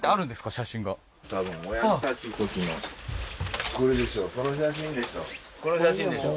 写真がこの写真でしょ？